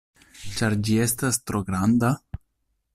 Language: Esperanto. Ĉar ĝi estas tro granda?